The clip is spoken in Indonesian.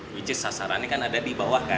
which is sasarannya kan ada di bawah kan